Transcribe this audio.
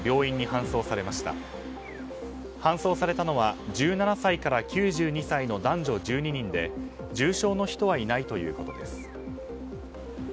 搬送されたのは１７歳から９２歳の男女１２人で重症の人はいないということです。